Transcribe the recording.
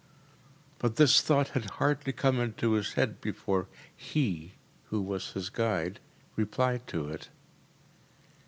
‚ÄĚ But this thought had hardly come into his head before HE, who was his guide, replied to it.